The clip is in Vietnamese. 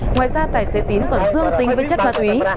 ngoài ra tài xế tín còn dương tính với chất ma túy